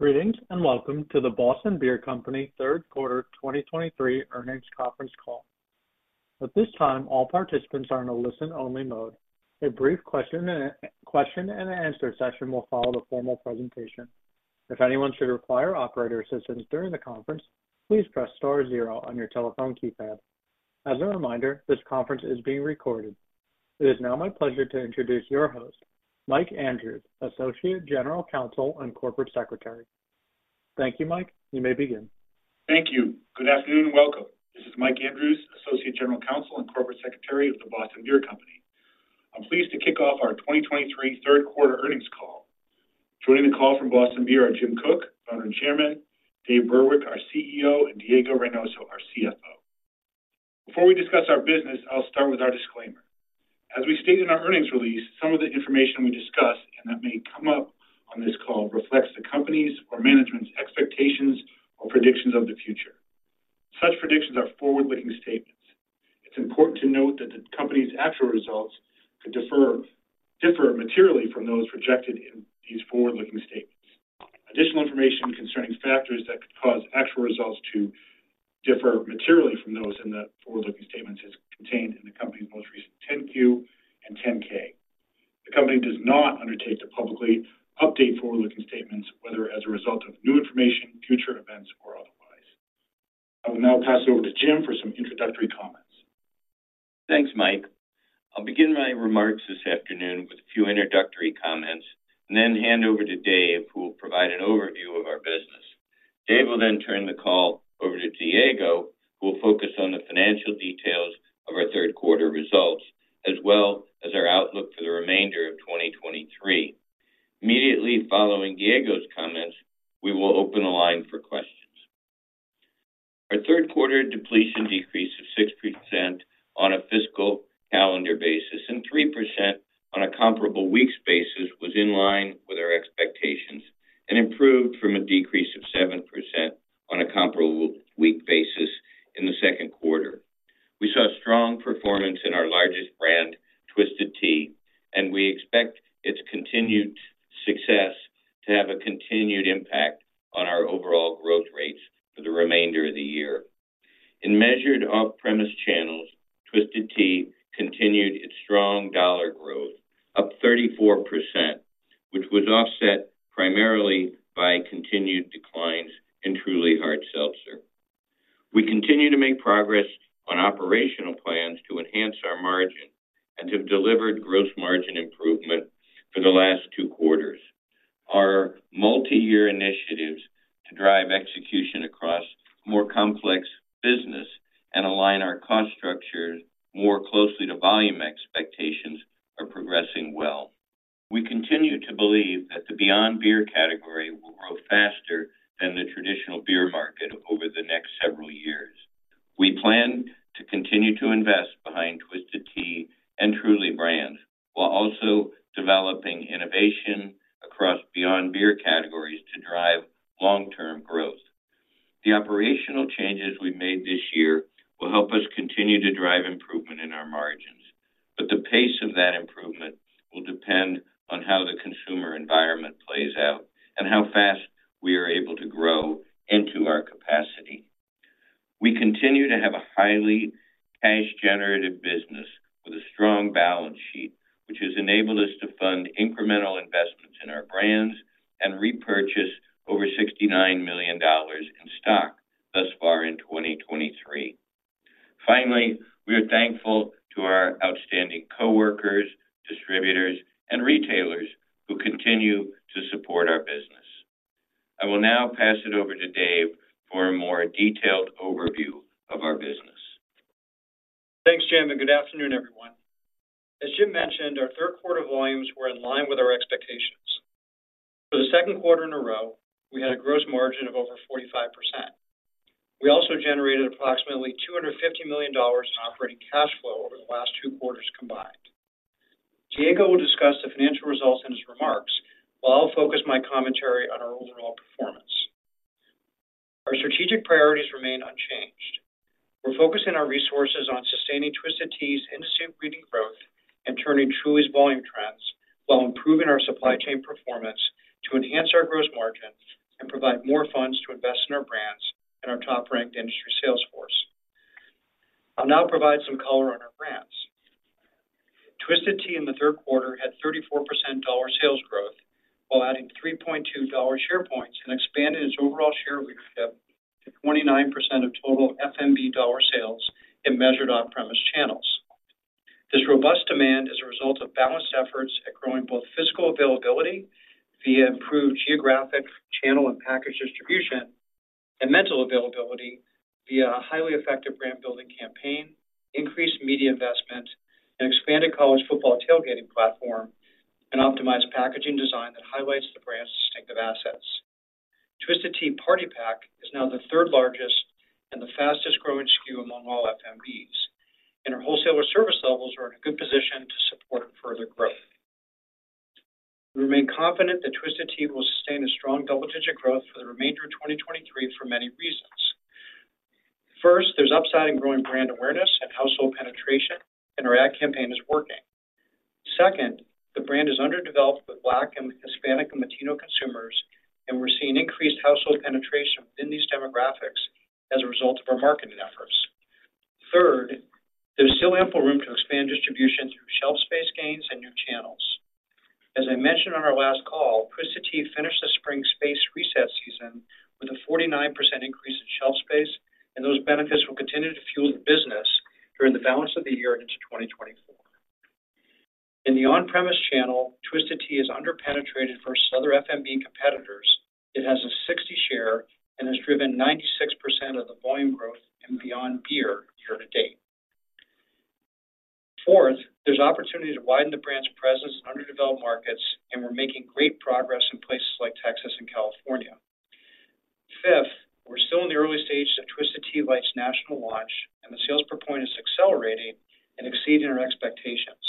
Greetings, and welcome to the Boston Beer Company Third Quarter 2023 earnings conference call. At this time, all participants are in a listen-only mode. A brief question and answer session will follow the formal presentation. If anyone should require operator assistance during the conference, please press star zero on your telephone keypad. As a reminder, this conference is being recorded. It is now my pleasure to introduce your host, Mike Andrews, Associate General Counsel and Corporate Secretary. Thank you, Mike. You may begin. Thank you. Good afternoon, and welcome. This is Mike Andrews, Associate General Counsel and Corporate Secretary of The Boston Beer Company. I'm pleased to kick off our 2023 Third Quarter earnings call. Joining the call from Boston Beer are Jim Koch, Founder and Chairman, Dave Burwick, our CEO, and Diego Reynoso, our CFO. Before we discuss our business, I'll start with our disclaimer. As we stated in our earnings release, some of the information we discuss and that may come up on this call reflects the company's or management's expectations or predictions of the future. Such predictions are forward-looking statements. It's important to note that the company's actual results could differ materially from those projected in these forward-looking statements. Additional information concerning factors that could cause actual results to differ materially from those in the forward-looking statements is contained in the company's most recent 10-Q and 10-K. The company does not undertake to publicly update forward-looking statements, whether as a result of new information, future events, or otherwise. I will now pass it over to Jim for some introductory comments. Thanks, Mike. I'll begin my remarks this afternoon with a few introductory comments and then hand over to Dave, who will provide an overview of our business. Dave will then turn the call over to Diego, who will focus on the financial details of our third quarter results, as well as our outlook for the remainder of 2023. Immediately following Diego's comments, we will open the line for questions. Our third quarter depletion decrease of 6% on a fiscal calendar basis and 3% on a comparable weeks basis was in line with our expectations and improved from a decrease of 7% on a comparable week basis in the second quarter. We saw strong performance in our largest brand, Twisted Tea, and we expect its continued success to have a continued impact on our overall growth rates for the remainder of the year. In measured off-premise channels, Twisted Tea continued its strong dollar growth, up 34%, which was offset primarily by continued declines in Truly Hard Seltzer. We continue to make progress on operational plans to enhance our margin and have delivered gross margin improvement for the last two quarters. Our multi-year initiatives to drive execution across more complex business and align our cost structure more closely to volume expectations are progressing well. We continue to believe that the Beyond Beer category will grow faster than the traditional beer market over the next several years. We plan to continue to invest behind Twisted Tea and Truly brands, while also developing innovation This robust demand is a result of balanced efforts at growing both physical availability via improved geographic, channel, and package distribution, and mental availability via a highly effective brand-building campaign, increased media investment, an expanded college football tailgating platform, and optimized packaging design that highlights the brand's distinctive assets. Twisted Tea Party Pack is now the third largest and the fastest-growing SKU among all FMBs, and our wholesaler service levels are in a good position to support further growth. We remain confident that Twisted Tea will sustain a strong double-digit growth for the remainder of 2023 for many reasons.... First, there's upside in growing brand awareness and household penetration, and our ad campaign is working. Second, the brand is underdeveloped with Black and Hispanic and Latino consumers, and we're seeing increased household penetration within these demographics as a result of our marketing efforts. Third, there's still ample room to expand distribution through shelf space gains and new channels. As I mentioned on our last call, Twisted Tea finished the spring space reset season with a 49% increase in shelf space, and those benefits will continue to fuel the business during the balance of the year and into 2024. In the On-Premise channel, Twisted Tea is under-penetrated versus other FMB competitors. It has a 60 share and has driven 96% of the volume growth in Beyond Beer year to date. Fourth, there's opportunity to widen the brand's presence in underdeveloped markets, and we're making great progress in places like Texas and California. Fifth, we're still in the early stages of Twisted Tea Light's national launch, and the sales per point is accelerating and exceeding our expectations.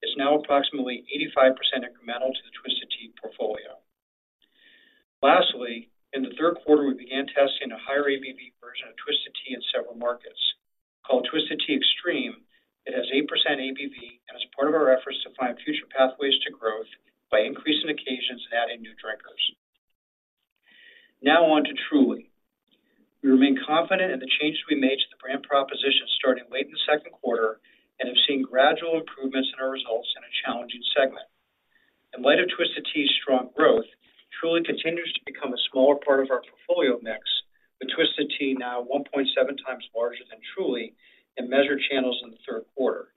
It's now approximately 85% incremental to the Twisted Tea portfolio. Lastly, in the third quarter, we began testing a higher ABV version of Twisted Tea in several markets. Called Twisted Tea Extreme, it has 8% ABV and is part of our efforts to find future pathways to growth by increasing occasions and adding new drinkers. Now on to Truly. We remain confident in the changes we made to the brand proposition starting late in the second quarter and have seen gradual improvements in our results in a challenging segment. In light of Twisted Tea's strong growth, Truly continues to become a smaller part of our portfolio mix, with Twisted Tea now 1.7x larger than Truly in measured channels in the third quarter.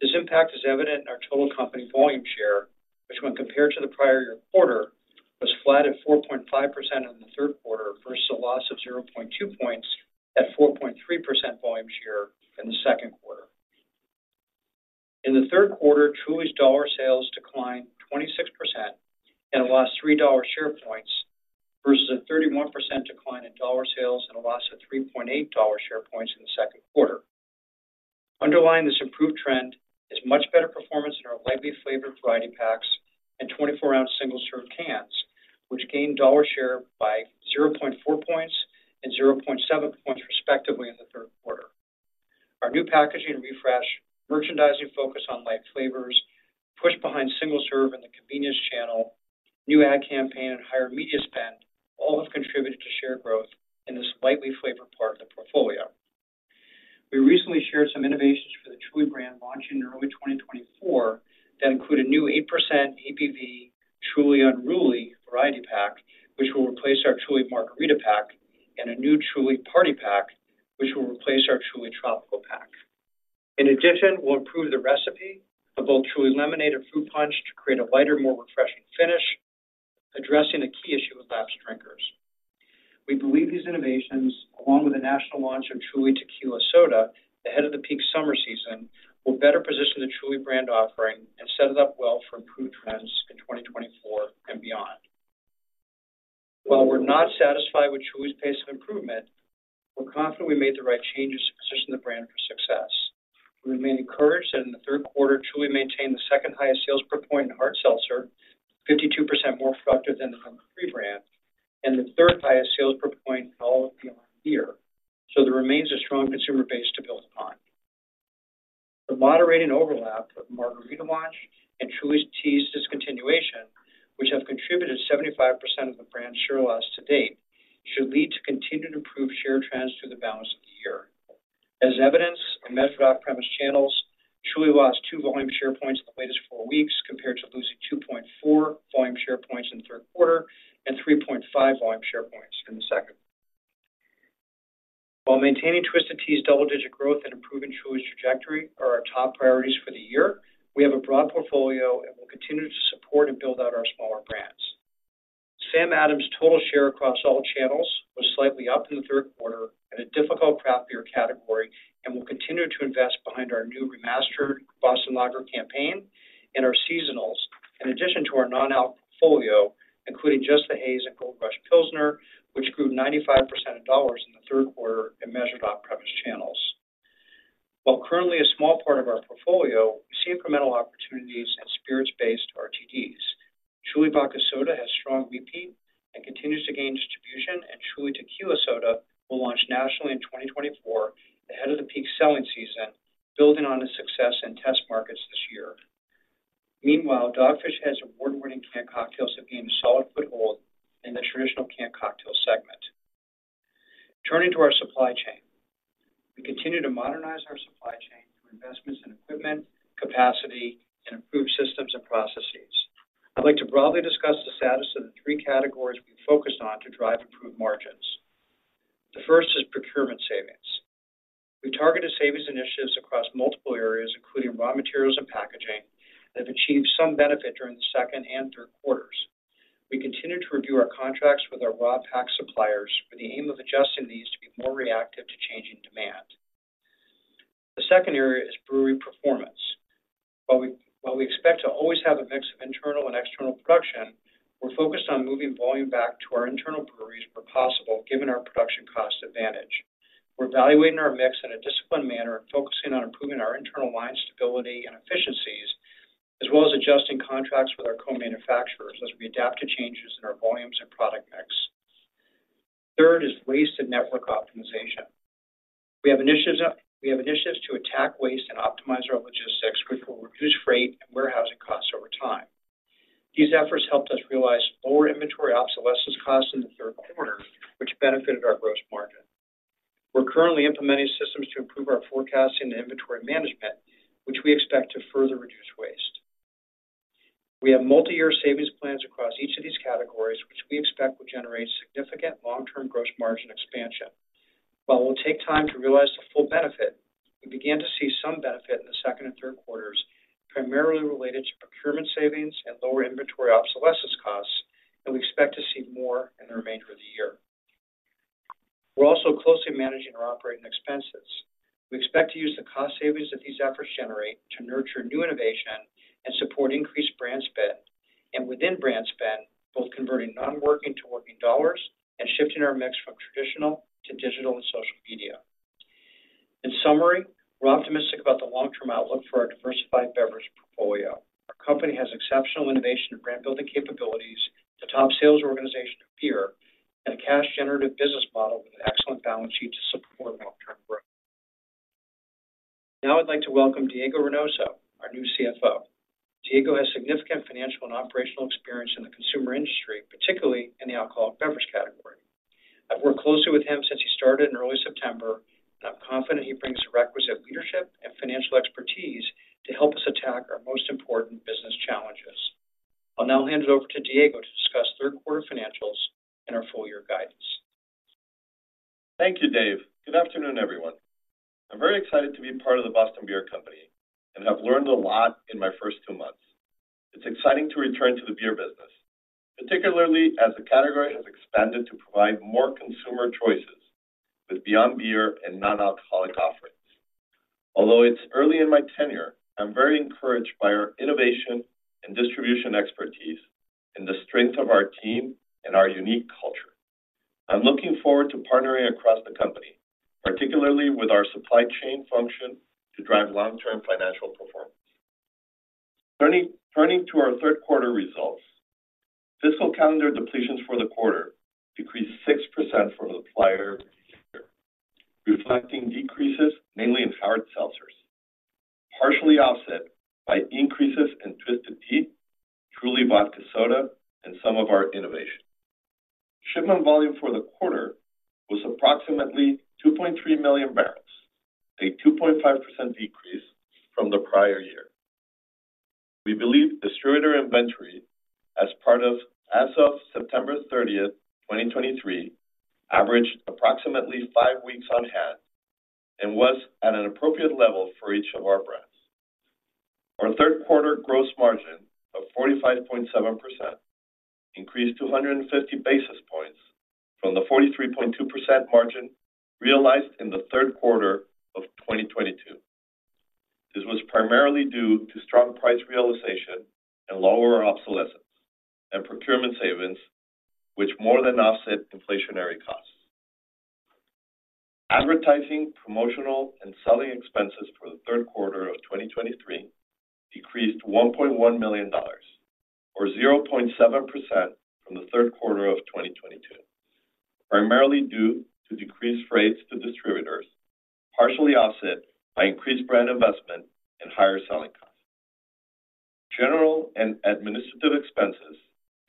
This impact is evident in our total company volume share, which, when compared to the prior year quarter, was flat at 4.5% in the third quarter versus a loss of 0.2 percentage points at 4.3% volume share in the second quarter. In the third quarter, Truly's dollar sales declined 26% and lost $3 share points versus a 31% decline in dollar sales and a loss of 3.8 dollar share points in the second quarter. Underlying this improved trend is much better performance in our lightly flavored variety packs and 24-ounce single-serve cans, which gained dollar share by 0.4 points and 0.7 points, respectively, in the third quarter. Our new packaging refresh, merchandising focus on light flavors, push behind single-serve in the convenience channel, new ad campaign, and higher media spend all have contributed to share growth in this lightly flavored part of the portfolio. We recently shared some innovations for the Truly brand, launching in early 2024, that include a new 8% ABV Truly Unruly variety pack, which will replace our Truly Margarita pack, and a new Truly Party Pack, which will replace our Truly Tropical pack. In addition, we'll improve the recipe of both Truly Lemonade and Fruit Punch to create a lighter, more refreshing finish, addressing a key issue with lapsed drinkers. We believe these innovations, along with the national launch of Truly Tequila Soda ahead of the peak summer season, will better position the Truly brand offering and set it up well for improved trends in 2024 and beyond. While we're not satisfied with Truly's pace of improvement, we're confident we made the right changes to position the brand for success. We remain encouraged that in the third quarter, Truly maintained the second-highest sales per point in hard seltzer, 52% more productive than the number three brand, and the third-highest sales per point in all of beyond beer, so there remains a strong consumer base to build upon. The moderating overlap of Margarita launch and Truly Tea's discontinuation, which have contributed 75% of the brand's share loss to date, should lead to continued improved share trends through the balance of the year. As evidenced in measured off-premise channels, Truly lost 2 volume share points in the latest 4 weeks, compared to losing 2.4 volume share points in the third quarter and 3.5 volume share points in the second. While maintaining Twisted Tea's double-digit growth and improving Truly's trajectory are our top priorities for the year, we have a broad portfolio and will continue to support and build out our smaller brands. Sam Adams' total share across all channels was slightly up in the third quarter in a difficult craft beer category and will continue to invest behind our new Remastered Boston Lager campaign and our seasonals, in addition to our non-alc portfolio, including Just the Haze and Gold Rush Pilsner, which grew 95% of dollars in the third quarter in measured off-premise channels. While currently a small part of our portfolio, we see incremental opportunities in spirits-based RTDs. Truly Vodka Soda has strong repeat and continues to gain distribution, and Truly Tequila Soda will launch nationally in 2024, ahead of the peak selling season, building on its success in test markets this year. Meanwhile, Dogfish has award-winning canned cocktails that gain a solid foothold in the traditional canned cocktail segment. Turning to our supply chain. We continue to modernize our supply chain through investments in equipment, capacity, and improved systems and processes. I'd like to broadly discuss the status of the three categories we focused on to drive improved margins. The first is procurement savings. We targeted savings initiatives across multiple areas, including raw materials and packaging, that have achieved some benefit during the second and third quarters. We continue to review our contracts with our raw pack suppliers with the aim of adjusting these to be more reactive to changing demand. The second area is brewery performance. While we expect to always have a mix of internal and external production, we're focused on moving volume back to our internal breweries where possible, given our production cost advantage. We're evaluating our mix in a disciplined manner and focusing on improving our internal line stability and efficiencies. As well as adjusting contracts with our co-manufacturers as we adapt to changes in our volumes and product mix. Third is waste and network optimization. We have initiatives to attack waste and optimize our logistics, which will reduce freight and warehousing costs over time. These efforts helped us realize lower inventory obsolescence costs in the third quarter, which benefited our gross margin. We're currently implementing systems to improve our forecasting and inventory management, which we expect to further reduce waste. We have multi-year savings plans across each of these categories, which we expect will generate significant long-term gross margin expansion. While it will take time to realize the full benefit, we began to see some benefit in the second and third quarters, primarily related to procurement savings and lower inventory obsolescence costs, and we expect to see more in the remainder of the year. We're also closely managing our operating expenses. We expect to use the cost savings that these efforts generate to nurture new innovation and support increased brand spend, and within brand spend, both converting non-working to working dollars and shifting our mix from traditional to digital and social media. In summary, we're optimistic about the long-term outlook for our diversified beverage portfolio. Our company has exceptional innovation and brand-building capabilities, the top sales organization to beer, and a cash-generative business model with an excellent balance sheet to support long-term growth. Now, I'd like to welcome Diego Reynoso, our new CFO. Diego has significant financial and operational experience in the consumer industry, particularly in the alcoholic beverage category. I've worked closely with him since he started in early September, and I'm confident he brings the requisite leadership and financial expertise to help us attack our most important business challenges. I'll now hand it over to Diego to discuss third quarter financials and our full year guidance. Thank you, Dave. Good afternoon, everyone. I'm very excited to be part of the Boston Beer Company, and I've learned a lot in my first two months. It's exciting to return to the beer business, particularly as the category has expanded to provide more consumer choices with Beyond Beer and non-alcoholic offerings. Although it's early in my tenure, I'm very encouraged by our innovation and distribution expertise and the strength of our team and our unique culture. I'm looking forward to partnering across the company, particularly with our supply chain function, to drive long-term financial performance. Turning to our third quarter results, fiscal calendar depletions for the quarter decreased 6% from the prior year, reflecting decreases, mainly in hard seltzers, partially offset by increases in Twisted Tea, Truly Vodka Soda, and some of our innovation. Shipment volume for the quarter was approximately 2.3 million barrels, a 2.5% decrease from the prior year. We believe distributor inventory as of September 30, 2023, averaged approximately five weeks on hand and was at an appropriate level for each of our brands. Our third quarter gross margin of 45.7% increased to 150 basis points from the 43.2% margin realized in the third quarter of 2022. This was primarily due to strong price realization and lower obsolescence and procurement savings, which more than offset inflationary costs. Advertising, promotional, and selling expenses for the third quarter of 2023 decreased $1.1 million, or 0.7% from the third quarter of 2022, primarily due to decreased rates to distributors, partially offset by increased brand investment and higher selling costs. General and administrative expenses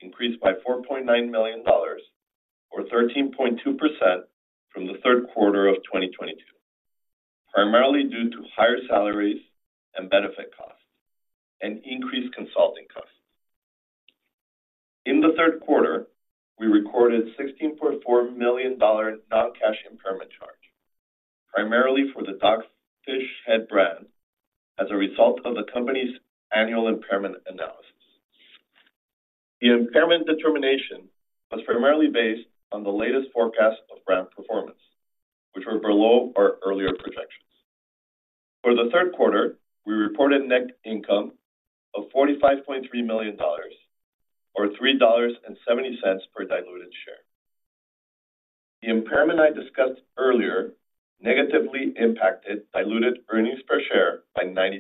increased by $4.9 million, or 13.2% from the third quarter of 2022, primarily due to higher salaries and benefit costs and increased consulting costs. In the third quarter, we recorded $16.4 million non-cash impairment charge, primarily for the Dogfish Head brand, as a result of the company's annual impairment analysis. The impairment determination was primarily based on the latest forecast of brand performance, which were below our earlier projections. For the third quarter, we reported net income of $45.3 million, or $3.70 per diluted share. The impairment I discussed earlier negatively impacted diluted earnings per share by $0.96.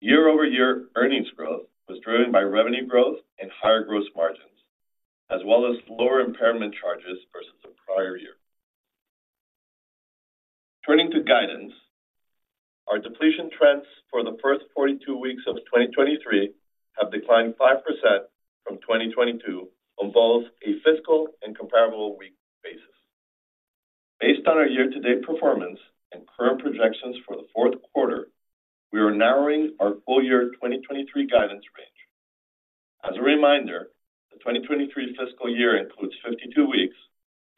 Year-over-year earnings growth was driven by revenue growth and higher gross margins, as well as lower impairment charges versus the prior year. Turning to guidance, our depletion trends for the first 42 weeks of 2023 have declined 5% from 2022 on both a fiscal and comparable week basis. Based on our year-to-date performance and current projections for the fourth quarter, we are narrowing our full-year 2023 guidance range. As a reminder, the 2023 fiscal year includes 52 weeks,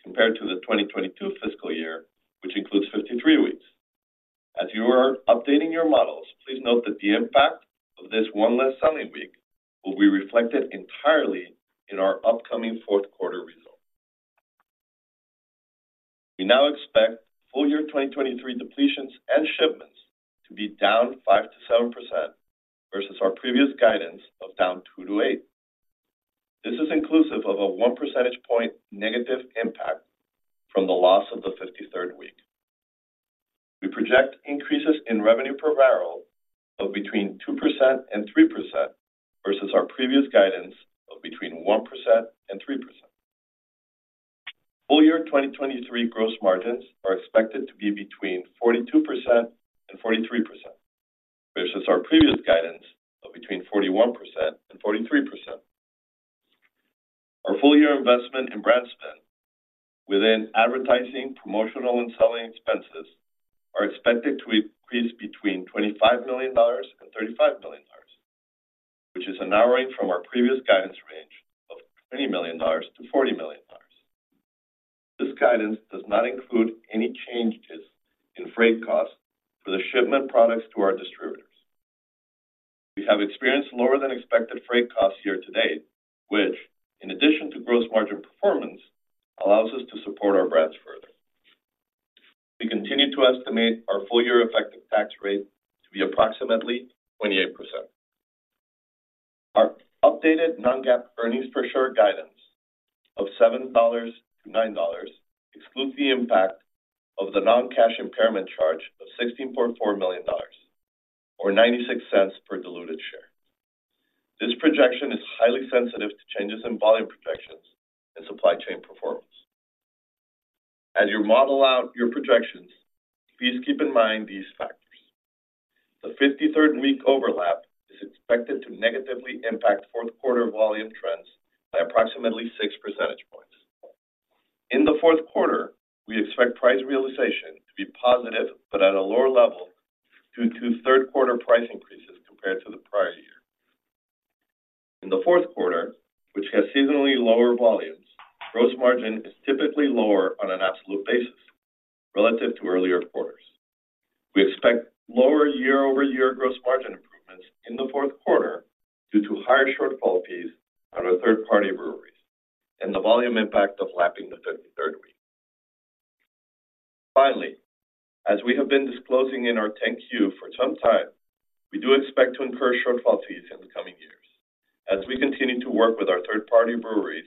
compared to the 2022 fiscal year, which includes 53 weeks. As you are updating your models, please note that the impact of this one less selling week will be reflected entirely in our upcoming fourth quarter results. We now expect full year 2023 depletions and shipments to be down 5%-7% versus our previous guidance of down 2%-8%. This is inclusive of a one percentage point negative impact from the loss of the 53rd week. We project increases in revenue per barrel of between 2% and 3%, versus our previous guidance of between 1% and 3%. Full year 2023 gross margins are expected to be between 42% and 43%, versus our previous guidance of between 41% and 43%. Our full year investment in brand spend within advertising, promotional, and selling expenses are expected to increase between $25 million and $35 million, which is a narrowing from our previous guidance range of $20 million-$40 million. This guidance does not include any changes in freight costs for the shipment products to our distributors. We have experienced lower than expected freight costs year-to-date, which, in addition to gross margin performance, allows us to support our brands further. We continue to estimate our full year effective tax rate to be approximately 28%. Our updated non-GAAP earnings per share guidance of $7-$9 excludes the impact of the non-cash impairment charge of $16.4 million, or $0.96 per diluted share. This projection is highly sensitive to changes in volume projections and supply chain performance. As you model out your projections, please keep in mind these factors. The 53rd week overlap is expected to negatively impact fourth quarter volume trends by approximately 6 percentage points. In the fourth quarter, we expect price realization to be positive, but at a lower level, due to third quarter price increases compared to the prior year. In the fourth quarter, which has seasonally lower volumes, gross margin is typically lower on an absolute basis relative to earlier quarters. We expect lower year-over-year gross margin improvements in the fourth quarter due to higher shortfall fees on our third-party breweries and the volume impact of lapping the 53rd week. Finally, as we have been disclosing in our 10-Q for some time, we do expect to incur shortfall fees in the coming years as we continue to work with our third-party breweries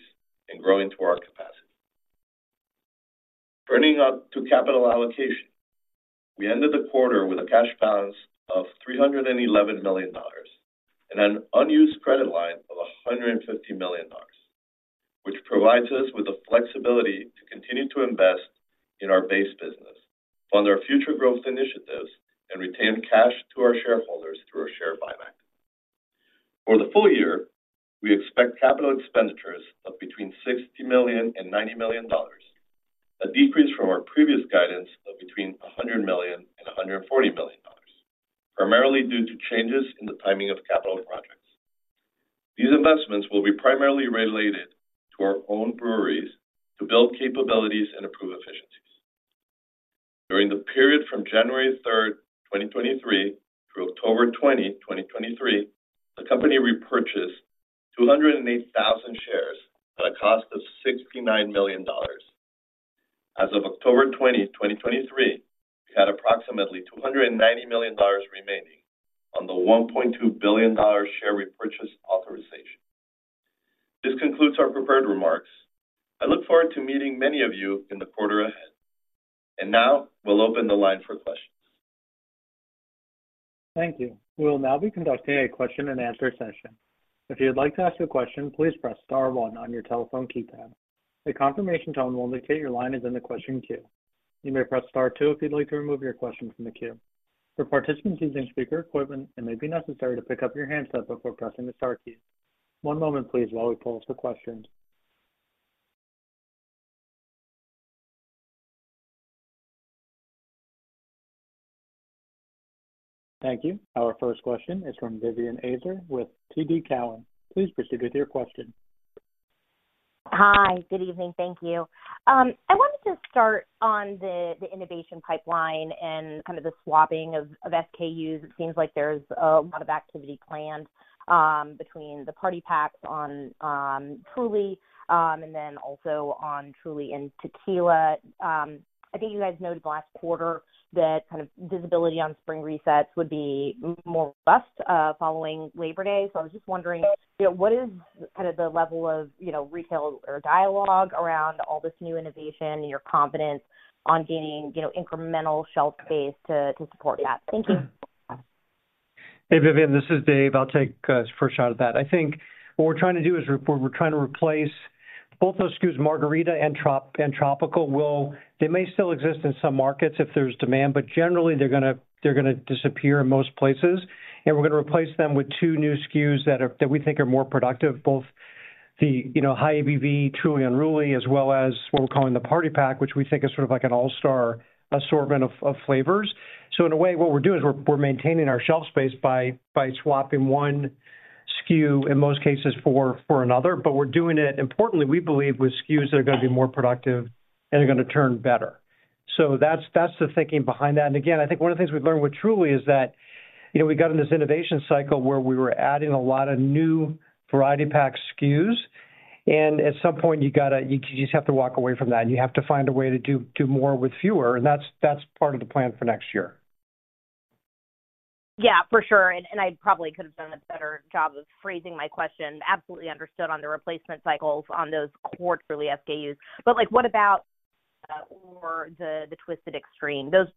in growing to our capacity. Turning up to capital allocation, we ended the quarter with a cash balance of $311 million and an unused credit line of $150 million, which provides us with the flexibility to continue to invest in our base business, fund our future growth initiatives, and retain cash to our shareholders through our share buyback. For the full year, we expect capital expenditures of between $60 million and $90 million, a decrease from our previous guidance of between $100 million and $140 million, primarily due to changes in the timing of capital projects. These investments will be primarily related to our own breweries to build capabilities and improve efficiencies. During the period from January 3rd, 2023, through October 20, 2023, the company repurchased 208,000 shares at a cost of $69 million. As of October 20, 2023, we had approximately $290 million remaining on the $1.2 billion share repurchase authorization. This concludes our prepared remarks. I look forward to meeting many of you in the quarter ahead. Now we'll open the line for questions. Thank you. We will now be conducting a question-and-answer session. If you'd like to ask a question, please press star one on your telephone keypad. A confirmation tone will indicate your line is in the question queue. You may press star two if you'd like to remove your question from the queue. For participants using speaker equipment, it may be necessary to pick up your handset before pressing the star key. One moment please while we poll for questions. Thank you. Our first question is from Vivian Azer with TD Cowen. Please proceed with your question. Hi, good evening. Thank you. I wanted to start on the innovation pipeline and kind of the swapping of SKUs. It seems like there's a lot of activity planned between the party packs on Truly and then also on Truly and Tequila. I think you guys noted last quarter that kind of visibility on spring resets would be more robust following Labor Day. So I was just wondering, you know, what is kind of the level of, you know, retail or dialogue around all this new innovation and your confidence on gaining, you know, incremental shelf space to support that? Thank you. Hey, Vivian, this is Dave. I'll take a first shot at that. I think what we're trying to do is we're trying to replace both those SKUs, margarita and tropical. Well, they may still exist in some markets if there's demand, but generally they're gonna disappear in most places, and we're gonna replace them with two new SKUs that we think are more productive. Both the, you know, high ABV, Truly Unruly, as well as what we're calling the Party Pack, which we think is sort of like an all-star assortment of flavors. So in a way, what we're doing is we're maintaining our shelf space by swapping one SKU, in most cases, for another. But we're doing it, importantly, we believe, with SKUs that are going to be more productive and are going to turn better. So that's, that's the thinking behind that. Again, I think one of the things we've learned with Truly is that, you know, we got in this innovation cycle where we were adding a lot of new variety pack SKUs, and at some point, you gotta... You just have to walk away from that, and you have to find a way to do, do more with fewer, and that's, that's part of the plan for next year.... Yeah, for sure, and I probably could have done a better job of phrasing my question. Absolutely understood on the replacement cycles on those core Truly SKUs. But, like, what about or the Twisted Tea Extreme, those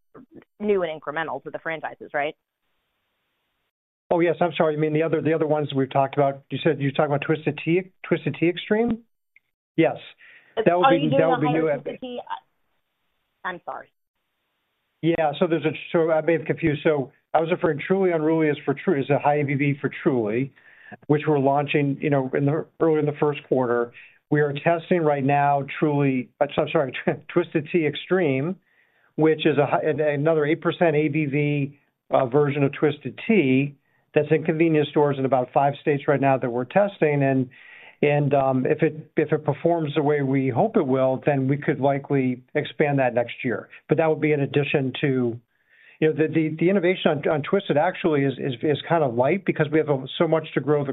new and incremental to the franchises, right? Oh, yes. I'm sorry. You mean the other, the other ones we've talked about. You said you were talking about Twisted Tea, Twisted Tea Extreme? Yes. That would be- Are you doing the higher ABV? I'm sorry. Yeah. So I may have confused. I was referring, Truly Unruly is for Truly, which we're launching, you know, early in the first quarter. We are testing right now, Truly, I'm sorry, Twisted Tea Extreme, which is another 8% ABV version of Twisted Tea that's in convenience stores in about five states right now that we're testing. If it performs the way we hope it will, then we could likely expand that next year. That would be in addition to... You know, the innovation on Twisted actually is kind of light because we have so much to grow,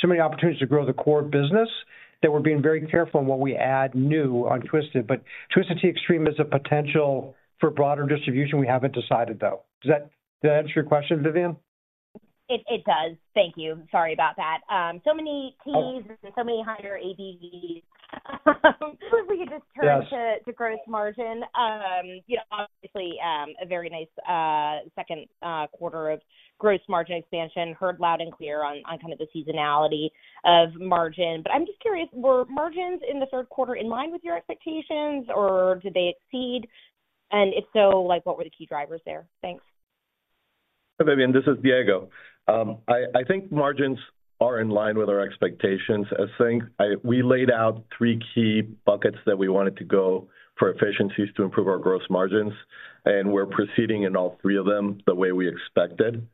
so many opportunities to grow the core business, that we're being very careful on what we add new on Twisted. But Twisted Tea Extreme is a potential for broader distribution. We haven't decided, though. Does that answer your question, Vivian? It, it does. Thank you. Sorry about that. So many teas and so many higher ABVs. If we could just turn- Yes... to gross margin. You know, obviously, a very nice second quarter of gross margin expansion. Heard loud and clear on kind of the seasonality of margin. But I'm just curious, were margins in the third quarter in line with your expectations, or did they exceed? And if so, like, what were the key drivers there? Thanks. Hi, Vivian, this is Diego. I think margins are in line with our expectations. We laid out three key buckets that we wanted to go for efficiencies to improve our gross margins, and we're proceeding in all three of them the way we expected.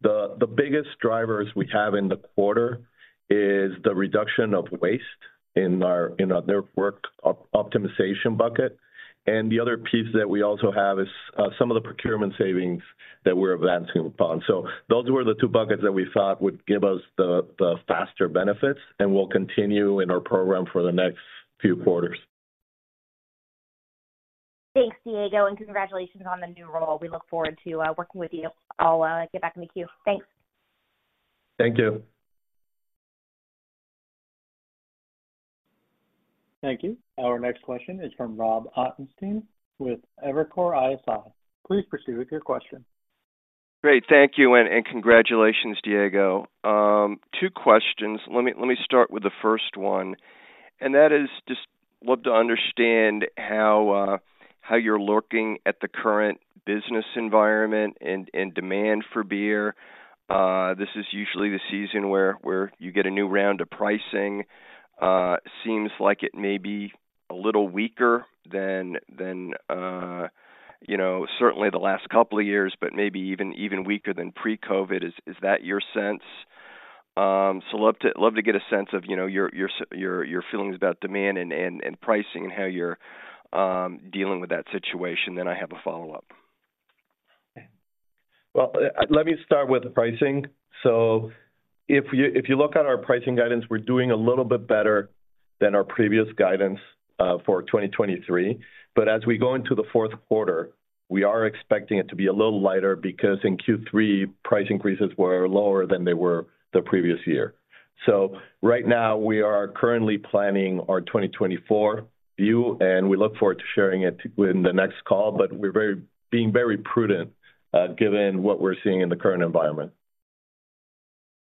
The biggest drivers we have in the quarter is the reduction of waste in our network optimization bucket. And the other piece that we also have is some of the procurement savings that we're advancing upon. So those were the two buckets that we thought would give us the faster benefits, and we'll continue in our program for the next few quarters. Thanks, Diego, and congratulations on the new role. We look forward to working with you. I'll get back in the queue. Thanks. Thank you. Thank you. Our next question is from Rob Ottenstein with Evercore ISI. Please proceed with your question. Great. Thank you, and congratulations, Diego. Two questions. Let me start with the first one, and that is: just love to understand how you're looking at the current business environment and demand for beer. This is usually the season where you get a new round of pricing. Seems like it may be a little weaker than you know, certainly the last couple of years, but maybe even weaker than pre-COVID. Is that your sense? So love to get a sense of, you know, your feelings about demand and pricing and how you're dealing with that situation, then I have a follow-up. Well, let me start with pricing. If you look at our pricing guidance, we're doing a little bit better than our previous guidance for 2023. As we go into the fourth quarter, we are expecting it to be a little lighter because in Q3, price increases were lower than they were the previous year. Right now, we are currently planning our 2024 view, and we look forward to sharing it in the next call, but we're being very prudent given what we're seeing in the current environment.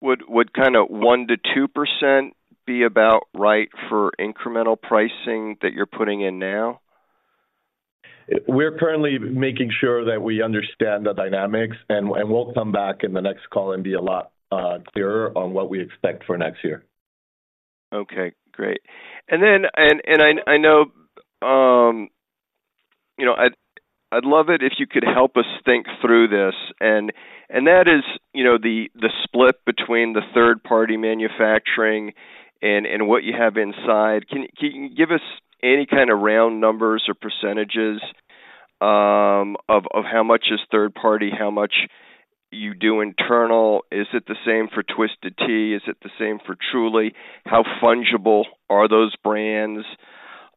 Would kind of 1%-2% be about right for incremental pricing that you're putting in now? We're currently making sure that we understand the dynamics, and we'll come back in the next call and be a lot clearer on what we expect for next year. Okay, great. I know, you know, I'd love it if you could help us think through this, and that is, you know, the split between the third-party manufacturing and what you have inside. Can you give us any kind of round numbers or percentages of how much is third party, how much you do internal? Is it the same for Twisted Tea? Is it the same for Truly? How fungible are those brands?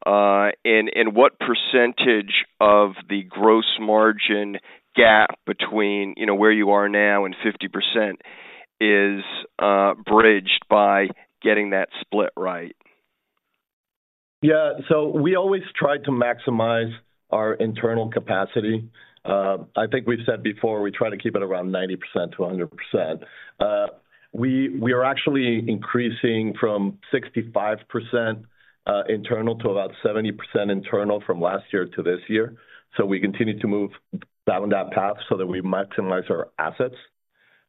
What percentage of the gross margin gap between, you know, where you are now and 50% is bridged by getting that split right? Yeah. So we always try to maximize our internal capacity. I think we've said before, we try to keep it around 90%-100%. We are actually increasing from 65%, internal to about 70% internal from last year to this year. So we continue to move down that path so that we maximize our assets.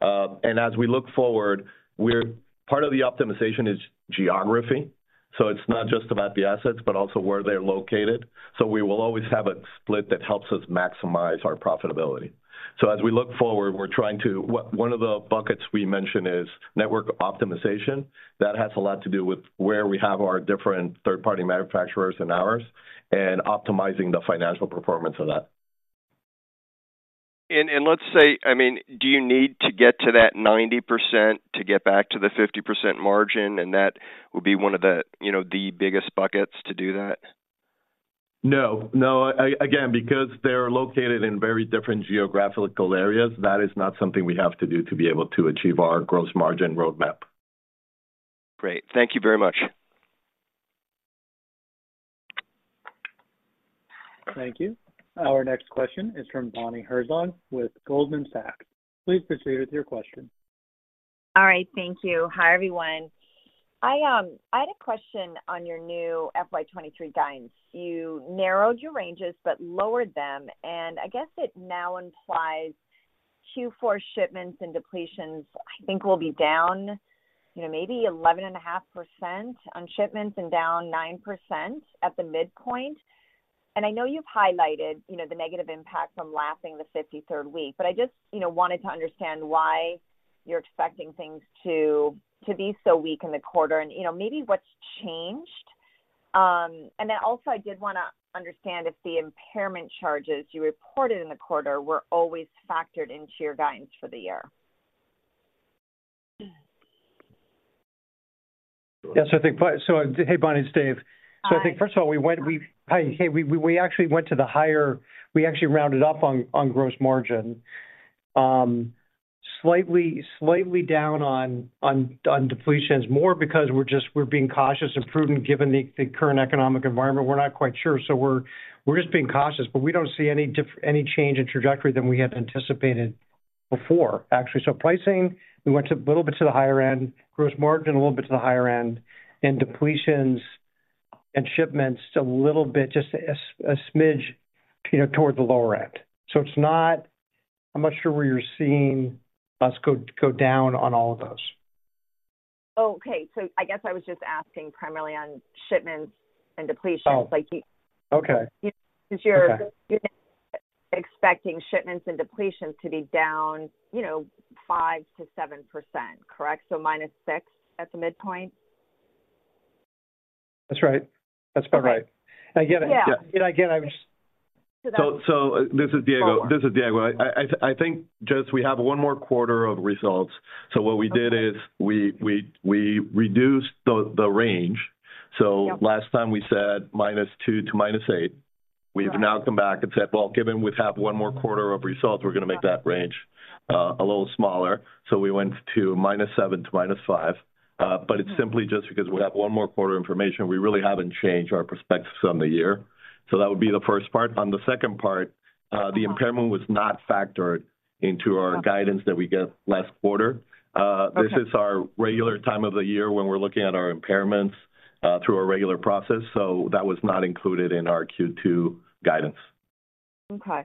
And as we look forward, we're. Part of the optimization is geography, so it's not just about the assets, but also where they're located. So we will always have a split that helps us maximize our profitability. So as we look forward, we're trying to. One of the buckets we mentioned is network optimization. That has a lot to do with where we have our different third-party manufacturers and ours, and optimizing the financial performance of that. And let's say, I mean, do you need to get to that 90% to get back to the 50% margin, and that would be one of the, you know, the biggest buckets to do that? ... No, no. Again, because they're located in very different geographical areas, that is not something we have to do to be able to achieve our gross margin roadmap. Great. Thank you very much. Thank you. Our next question is from Bonnie Herzog with Goldman Sachs. Please proceed with your question. All right. Thank you. Hi, everyone. I had a question on your new FY 2023 guidance. You narrowed your ranges but lowered them, and I guess it now implies Q4 shipments and depletions, I think, will be down, you know, maybe 11.5% on shipments and down 9% at the midpoint. And I know you've highlighted, you know, the negative impact from lapping the 53rd week, but I just, you know, wanted to understand why you're expecting things to be so weak in the quarter and, you know, maybe what's changed. And then also I did wanna understand if the impairment charges you reported in the quarter were always factored into your guidance for the year. Yes, I think so. Hey, Bonnie, it's Dave. Hi. So I think, first of all, we actually went to the higher. We actually rounded up on gross margin. Slightly down on depletions, more because we're being cautious and prudent given the current economic environment. We're not quite sure, so we're just being cautious, but we don't see any change in trajectory than we had anticipated before, actually. So pricing, we went a little bit to the higher end, gross margin, a little bit to the higher end, and depletions and shipments a little bit, just a smidge, you know, towards the lower end. So it's not. I'm not sure where you're seeing us go down on all of those. Oh, okay. So I guess I was just asking primarily on shipments and depletions. Oh, okay. Like, you- Okay. Since you're expecting shipments and depletions to be down, you know, 5%-7%, correct? So -6% at the midpoint. That's right. That's about right. Yeah. I get it. Yeah. Again, I'm just- This is Diego. I think just we have one more quarter of results. Okay. So what we did is we reduced the range. Yep. Last time we said -2 to -8. Right. We've now come back and said, well, given we have one more quarter of results, we're gonna make that range a little smaller. We went to -7% to -5%. It's simply just because we have one more quarter information. We really haven't changed our perspectives on the year. That would be the first part. On the second part, the impairment was not factored into our guidance that we gave last quarter. Okay. This is our regular time of the year when we're looking at our impairments through our regular process, so that was not included in our Q2 guidance. Okay.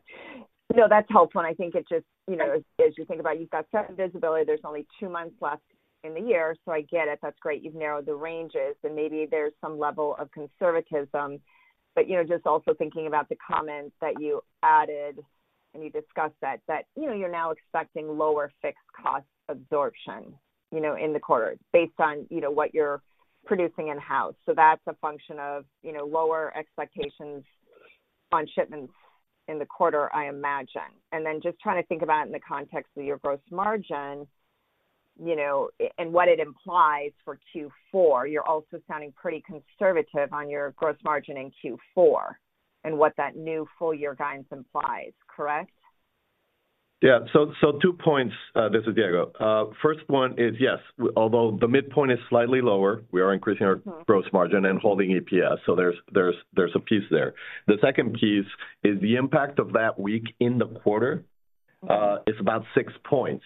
No, that's helpful, and I think it just, you know, as you think about, you've got certain visibility, there's only two months left in the year, so I get it. That's great. You've narrowed the ranges, and maybe there's some level of conservatism. But, you know, just also thinking about the comments that you added, and you discussed that, you know, you're now expecting lower fixed cost absorption, you know, in the quarter based on, you know, what you're producing in-house. So that's a function of, you know, lower expectations on shipments in the quarter, I imagine. And then just trying to think about in the context of your gross margin, you know, and what it implies for Q4. You're also sounding pretty conservative on your gross margin in Q4 and what that new full year guidance implies, correct? Yeah. So, two points. This is Diego. First one is, yes, although the midpoint is slightly lower, we are increasing our- Mm-hmm. Gross margin and holding EPS, so there's a piece there. The second piece is the impact of that week in the quarter. Mm-hmm. is about six points.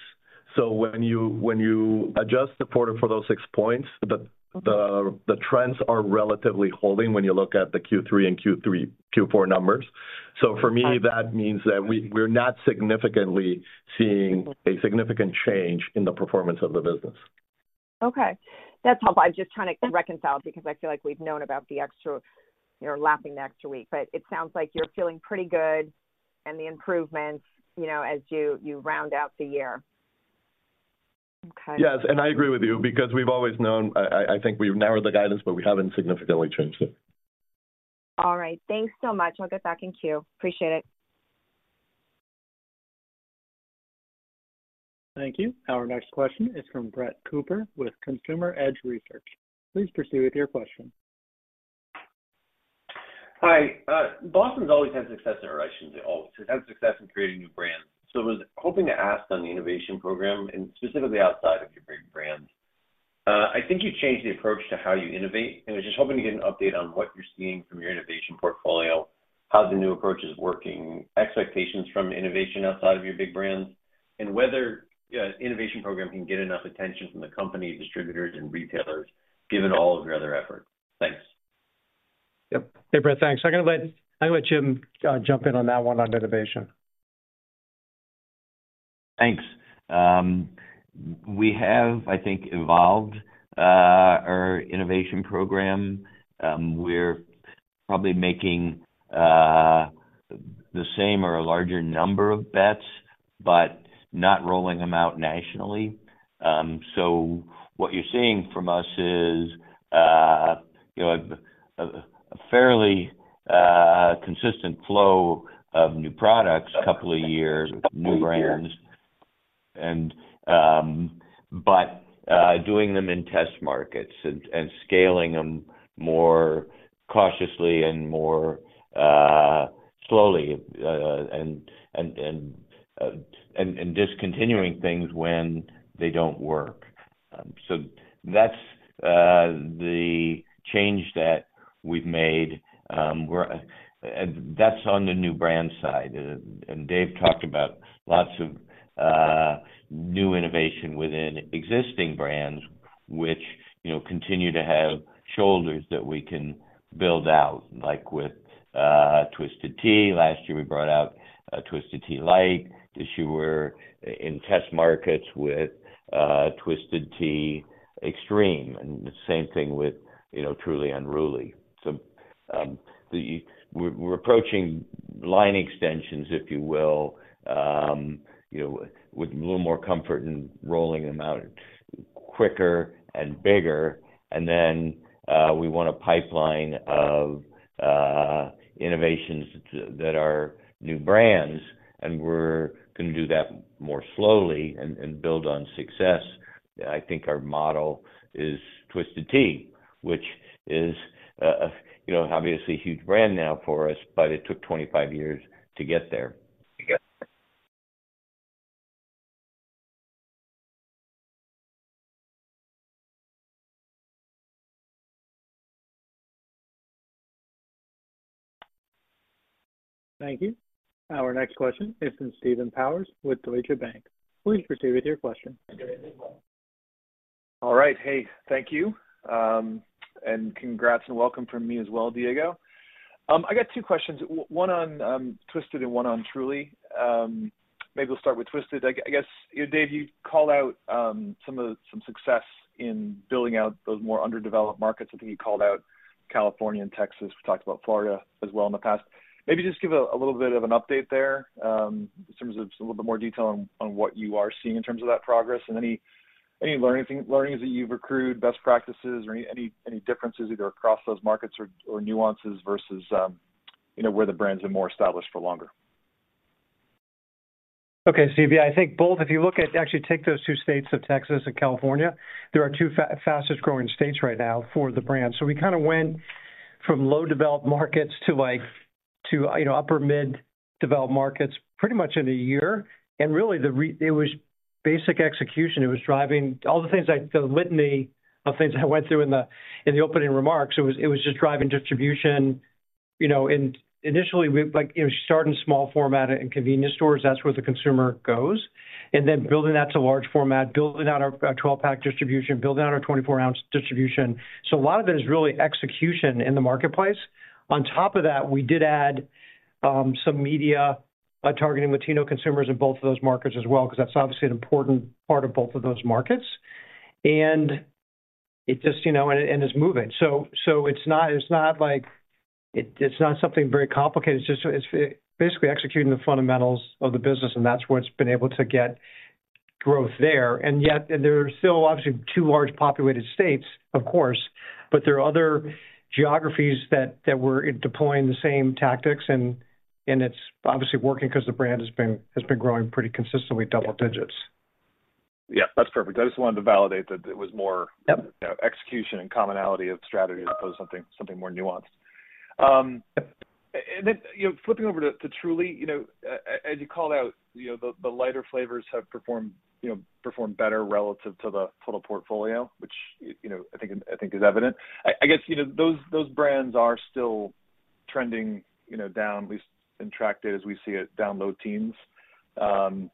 So when you adjust the quarter for those six points, the Okay... the trends are relatively holding when you look at the Q3 and Q3, Q4 numbers. Okay. So for me, that means that we're not significantly seeing a significant change in the performance of the business. Okay. That's helpful. I'm just trying to reconcile because I feel like we've known about the extra, you know, lapping the extra week, but it sounds like you're feeling pretty good and the improvements, you know, as you round out the year. Okay. Yes, and I agree with you because we've always known... I think we've narrowed the guidance, but we haven't significantly changed it. All right. Thanks so much. I'll get back in queue. Appreciate it. Thank you. Our next question is from Brett Cooper with Consumer Edge Research. Please proceed with your question. Hi. Boston's always had success in relations at all, so it has success in creating new brands. I was hoping to ask on the innovation program, and specifically outside of your big brands. I think you changed the approach to how you innovate, and I was just hoping to get an update on what you're seeing from your innovation portfolio, how the new approach is working, expectations from innovation outside of your big brands, and whether your innovation program can get enough attention from the company, distributors, and retailers, given all of your other efforts. Thanks. Yep. Hey, Brett, thanks. I'm gonna let Jim jump in on that one on innovation. Thanks. We have, I think, evolved our innovation program. We're probably making the same or a larger number of bets, but not rolling them out nationally. So what you're seeing from us is, you know, a fairly consistent flow of new products, couple of years, new brands.... But doing them in test markets and scaling them more cautiously and more slowly and discontinuing things when they don't work. So that's the change that we've made. We're, and that's on the new brand side. And Dave talked about lots of new innovation within existing brands, which, you know, continue to have shoulders that we can build out, like with Twisted Tea. Last year, we brought out Twisted Tea Light. This year, we're in test markets with Twisted Tea Extreme, and the same thing with, you know, Truly Unruly. So, we're approaching line extensions, if you will, you know, with a little more comfort in rolling them out quicker and bigger. And then, we want a pipeline of innovations that are new brands, and we're gonna do that more slowly and build on success. I think our model is Twisted Tea, which is, you know, obviously a huge brand now for us, but it took 25 years to get there. Thank you. Our next question is from Stephen Powers with Deutsche Bank. Please proceed with your question. All right. Hey, thank you. And congrats, and welcome from me as well, Diego. I got two questions, one on Twisted and one on Truly. Maybe we'll start with Twisted. I guess, Dave, you called out some success in building out those more underdeveloped markets. I think you called out California and Texas. We talked about Florida as well in the past. Maybe just give a little bit of an update there, in terms of just a little bit more detail on what you are seeing in terms of that progress, and any learnings that you've accrued, best practices, or any differences either across those markets or nuances versus, you know, where the brands are more established for longer. Okay, Steve. Yeah, I think both. If you look at, actually, take those two states, Texas and California, they are our two fastest-growing states right now for the brand. So we kind of went from low-developed markets to like, to, you know, upper-mid developed markets, pretty much in a year. And really, it was basic execution, it was driving all the things, the litany of things I went through in the opening remarks, it was just driving distribution. You know, and initially, we like, you know, start in small format and convenience stores, that's where the consumer goes. And then building that to large format, building out our 12-pack distribution, building out our 24-ounce distribution. So a lot of it is really execution in the marketplace. On top of that, we did add some media by targeting Latino consumers in both of those markets as well, because that's obviously an important part of both of those markets. And it just, you know, it's moving. So it's not like... It's not something very complicated. It's just basically executing the fundamentals of the business, and that's what's been able to get growth there. And yet, they're still obviously two large populated states, of course, but there are other geographies that we're deploying the same tactics, and it's obviously working because the brand has been growing pretty consistently double digits. Yeah, that's perfect. I just wanted to validate that it was more- Yep. execution and commonality of strategy as opposed to something, something more nuanced. Yep. You know, flipping over to, to Truly, you know, as you called out, you know, the, the lighter flavors have performed, you know, performed better relative to the total portfolio, which, you know, I think, I think is evident. I guess, you know, those, those brands are still trending, you know, down, at least in tract as we see it, down low teens. You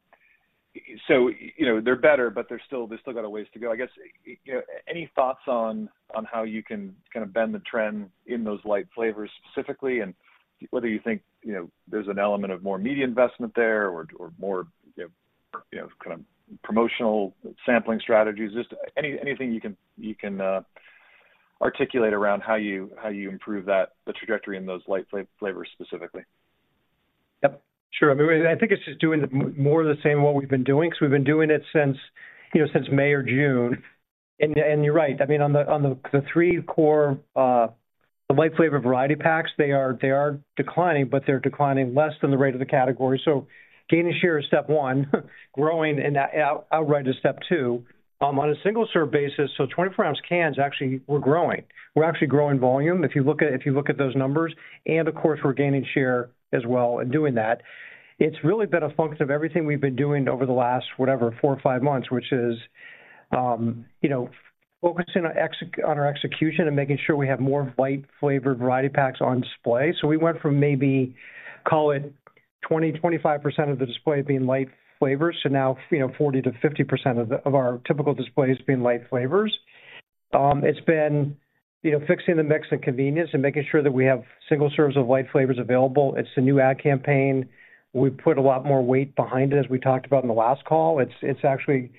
know, they're better, but they're still- they still got a ways to go. I guess, you know, any thoughts on, on how you can kind of bend the trend in those light flavors specifically, and whether you think, you know, there's an element of more media investment there or, or more, you know, kind of promotional sampling strategies? Just anything you can articulate around how you improve that, the trajectory in those light flavors specifically. Yep, sure. I mean, I think it's just doing the more of the same what we've been doing, because we've been doing it since, you know, since May or June. And you're right, I mean, on the, on the three core, the light flavor variety packs, they are declining, but they're declining less than the rate of the category. So gaining share is step one, growing and outright is step two. On a single-serve basis, so 24-ounce cans, actually, we're growing. We're actually growing volume, if you look at those numbers, and of course, we're gaining share as well in doing that. It's really been a function of everything we've been doing over the last, whatever, four or five months, which is, you know, focusing on our execution and making sure we have more light flavor variety packs on display. We went from maybe, call it 20-25% of the display being light flavors, to now, you know, 40-50% of our typical displays being light flavors. It's been, you know, fixing the mix and convenience and making sure that we have single serves of light flavors available. It's a new ad campaign. We've put a lot more weight behind it, as we talked about in the last call. It's actually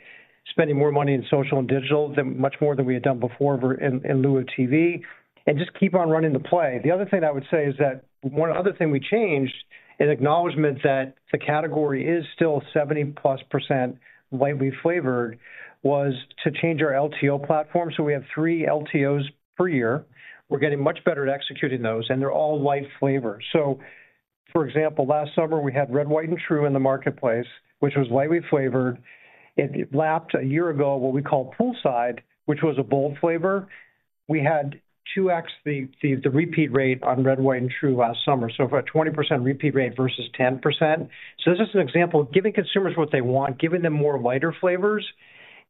spending more money in social and digital, much more than we had done before in lieu of TV, and just keep on running the play. The other thing I would say is that, one other thing we changed, in acknowledgment that the category is still 70+% lightly flavored, was to change our LTO platform. So we have three LTOs per year. We're getting much better at executing those, and they're all light flavors. So, for example, last summer, we had Red, White & Tru in the marketplace, which was lightly flavored. It lapped a year ago, what we call Poolside, which was a bold flavor. We had 2x the repeat rate on Red, White & Tru last summer. So we've got a 20% repeat rate versus 10%. This is an example of giving consumers what they want, giving them more lighter flavors,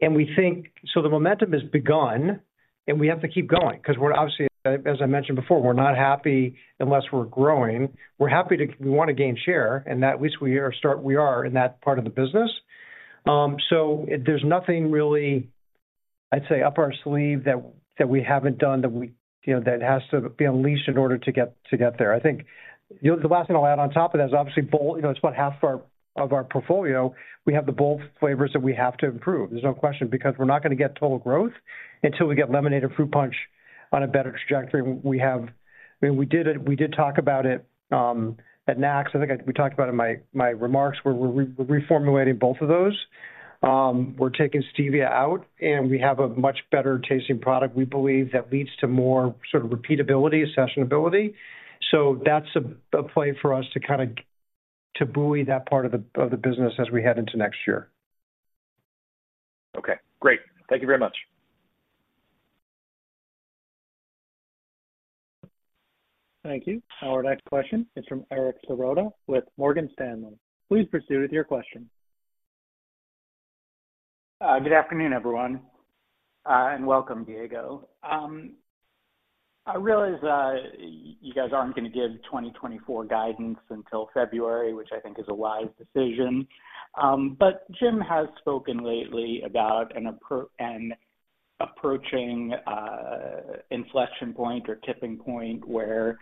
and we think the momentum has begun, and we have to keep going 'cause we're obviously, as I mentioned before, we're not happy unless we're growing. We're happy to. We wanna gain share, and at least we are in that part of the business. So there's nothing really, I'd say, up our sleeve that we haven't done, that we, you know, that has to be unleashed in order to get there. I think the last thing I'll add on top of that is obviously bold. You know, it's about half of our portfolio. We have the bold flavors that we have to improve. There's no question, because we're not gonna get total growth until we get lemonade or fruit punch on a better trajectory. We have, I mean, we did it, we did talk about it at NACS. I think we talked about it in my remarks, where we're reformulating both of those. We're taking stevia out, and we have a much better-tasting product, we believe, that leads to more sort of repeatability, assessability. So that's a play for us to kind of buoy that part of the business as we head into next year. Okay, great. Thank you very much. Thank you. Our next question is from Eric Serotta with Morgan Stanley. Please proceed with your question. Good afternoon, everyone, and welcome, Diego. I realize you guys aren't gonna give 2024 guidance until February, which I think is a wise decision. But Jim has spoken lately about an approaching inflection point or tipping point where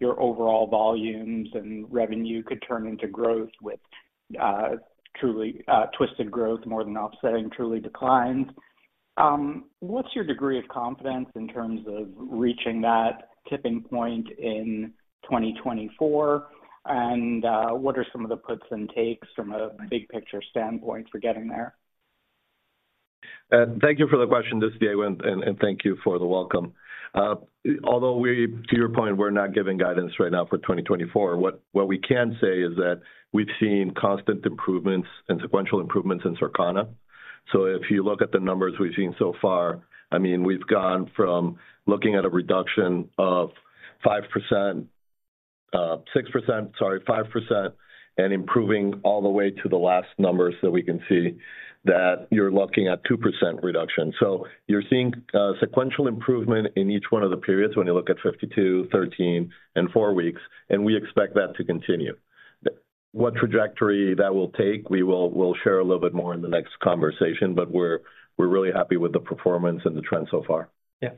your overall volumes and revenue could turn into growth with Truly Twisted growth, more than offsetting Truly declines. What's your degree of confidence in terms of reaching that tipping point in 2024? And what are some of the puts and takes from a big picture standpoint for getting there? Thank you for the question, this is Diego, and thank you for the welcome. Although we, to your point, we're not giving guidance right now for 2024, what we can say is that we've seen constant improvements and sequential improvements in Circana. So if you look at the numbers we've seen so far, I mean, we've gone from looking at a reduction of 5%, 6% sorry, 5%, and improving all the way to the last numbers that we can see, that you're looking at 2% reduction. So you're seeing sequential improvement in each one of the periods when you look at 52, 13, and 4 weeks, and we expect that to continue. What trajectory that will take, we will, we'll share a little bit more in the next conversation, but we're really happy with the performance and the trend so far. Yeah.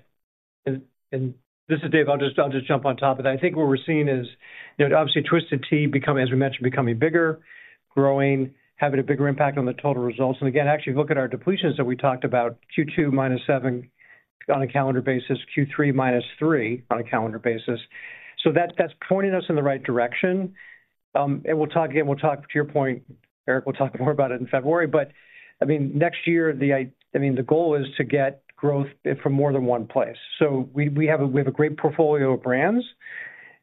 And this is Dave. I'll just jump on top of that. I think what we're seeing is, you know, obviously, Twisted Tea become, as we mentioned, becoming bigger, growing, having a bigger impact on the total results. And again, actually, look at our depletions that we talked about, Q2 -7 on a calendar basis, Q3 -3 on a calendar basis. So that's pointing us in the right direction. And we'll talk again, we'll talk to your point, Eric, we'll talk more about it in February, but I mean, next year, I mean, the goal is to get growth from more than one place. So we have a great portfolio of brands,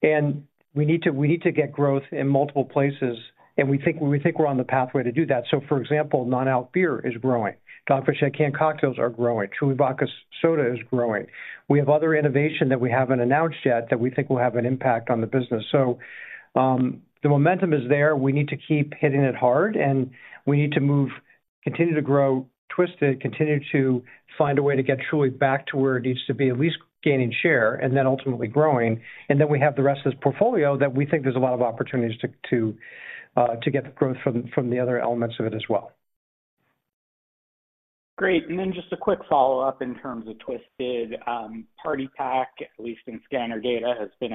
and we need to get growth in multiple places, and we think we're on the pathway to do that. So for example, non-alcoholic beer is growing. Dogfish Head Canned Cocktails are growing. Truly Vodka Soda is growing. We have other innovation that we haven't announced yet, that we think will have an impact on the business. So, the momentum is there. We need to keep hitting it hard, and we need to move, continue to grow, Twisted, continue to find a way to get Truly back to where it needs to be, at least gaining share, and then ultimately growing. And then we have the rest of this portfolio that we think there's a lot of opportunities to, to get the growth from, from the other elements of it as well. Great. Just a quick follow-up in terms of Twisted Tea Party Pack, at least in scanner data, has been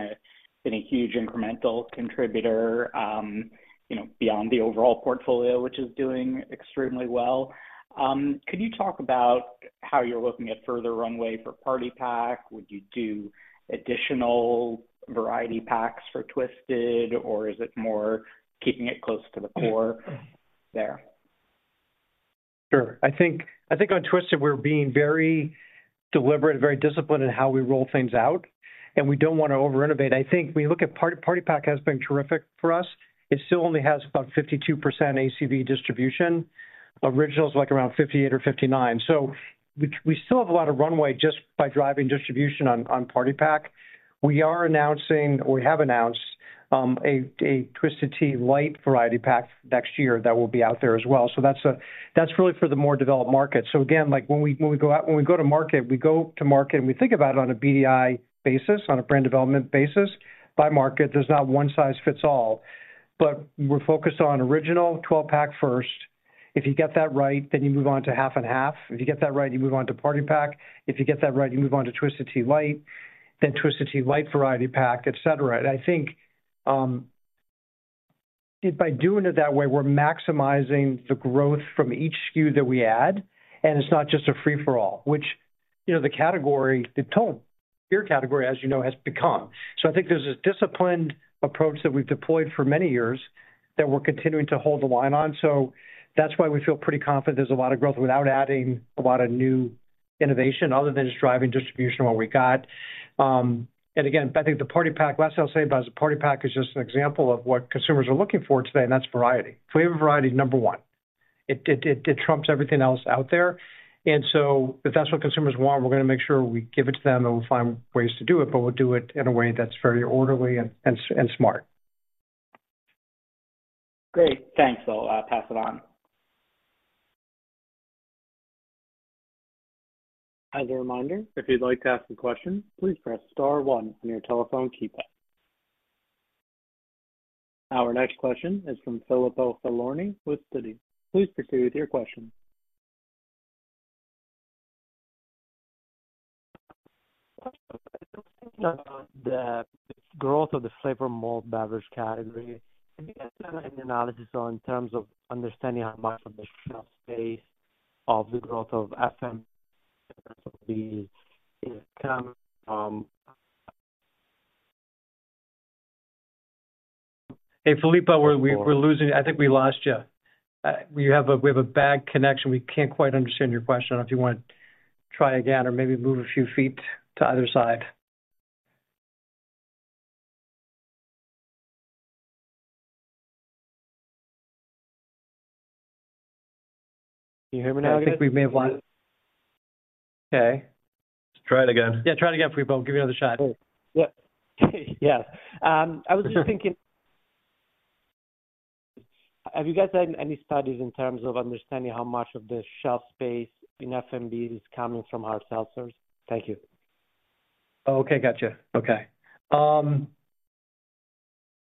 a huge incremental contributor, you know, beyond the overall portfolio, which is doing extremely well. Could you talk about how you're looking at further runway for Party Pack? Would you do additional variety packs for Twisted Tea, or is it more keeping it close to the core there? Sure. I think, I think on Twisted, we're being very deliberate, very disciplined in how we roll things out, and we don't wanna over-innovate. I think we look at Party Pack has been terrific for us. It still only has about 52% ACV distribution. Original is, like, around 58 or 59. So we, we still have a lot of runway just by driving distribution on, on Party Pack. We are announcing, we have announced, a, a Twisted Tea Light Variety Pack next year that will be out there as well. So that's, that's really for the more developed market. So again, like, when we, when we go out, when we go to market, we go to market, and we think about it on a BDI basis, on a brand development basis. By market, there's not one size fits all, but we're focused on Original 12-pack first. If you get that right, then you move on to 50/50. If you get that right, you move on to Party Pack. If you get that right, you move on to Twisted Tea Light, then Twisted Tea Light Variety Pack, et cetera. And I think, by doing it that way, we're maximizing the growth from each SKU that we add, and it's not just a free-for-all, which, you know, the category, the total beer category, as you know, has become. So I think there's a disciplined approach that we've deployed for many years that we're continuing to hold the line on. So that's why we feel pretty confident there's a lot of growth without adding a lot of new innovation, other than just driving distribution of what we got. And again, I think the party pack, last I'll say about it, is the party pack is just an example of what consumers are looking for today, and that's variety. Flavor variety is number one. It trumps everything else out there. And so if that's what consumers want, we're gonna make sure we give it to them, and we'll find ways to do it, but we'll do it in a way that's very orderly and smart. Great. Thanks. I'll pass it on. As a reminder, if you'd like to ask a question, please press star one on your telephone keypad. Our next question is from Filippo Falorni with Citi. Please proceed with your question. The growth of the flavored malt beverage category, have you guys done any analysis on, in terms of understanding how much of the shelf space of the growth of FM, in terms of the,? Hey, Filippo, we're losing you. I think we lost you. We have a bad connection. We can't quite understand your question. I don't know if you want to try again or maybe move a few feet to either side. Can you hear me now? I think we may have lost... Okay. Try it again. Yeah, try it again, Filippo. Give it another shot. Yeah. Yeah. I was just thinking, have you guys done any studies in terms of understanding how much of the shelf space in FMB is coming from hard seltzers? Thank you. Okay, gotcha. Okay.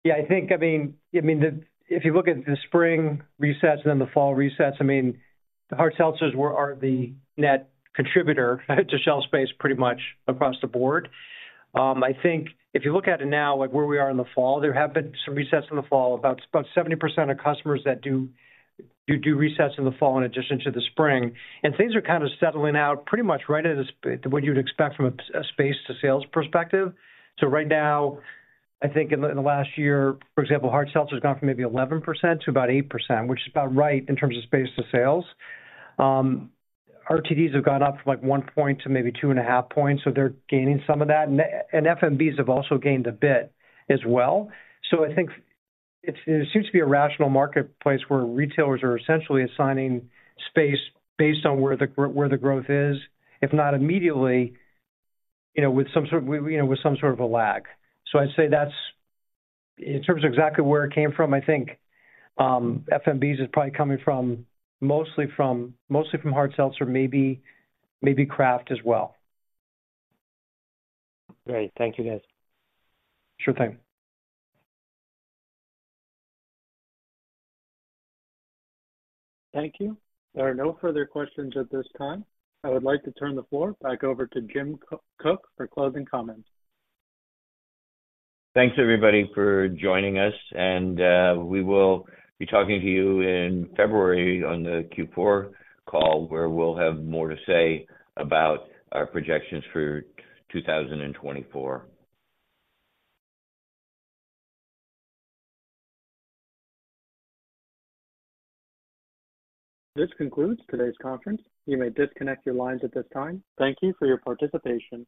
Yeah, I think, I mean, I mean, the-- if you look at the spring resets and then the fall resets, I mean, hard seltzers were, are the net contributor to shelf space pretty much across the board. I think if you look at it now, like where we are in the fall, there have been some resets in the fall, about 70% of customers that do resets in the fall in addition to the spring. And things are kind of settling out pretty much right at the sp-- what you'd expect from a space to sales perspective. So right now, I think in the, in the last year, for example, hard seltzer has gone from maybe 11% to about 8%, which is about right in terms of space to sales. RTDs have gone up from, like, 1 point to maybe 2.5 points, so they're gaining some of that. And FMBs have also gained a bit as well. So I think it seems to be a rational marketplace where retailers are essentially assigning space based on where the growth is, if not immediately, you know, with some sort of, you know, with some sort of a lag. So I'd say that's. In terms of exactly where it came from, I think FMBs is probably coming from, mostly from, mostly from hard seltzer, maybe craft as well. Great. Thank you, guys. Sure thing. Thank you. There are no further questions at this time. I would like to turn the floor back over to Jim Koch for closing comments. Thanks, everybody, for joining us, and we will be talking to you in February on the Q4 call, where we'll have more to say about our projections for 2024. This concludes today's conference. You may disconnect your lines at this time. Thank you for your participation.